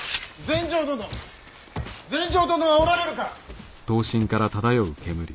全成殿はおられるか。